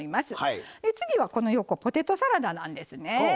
次はこの横ポテトサラダなんですね。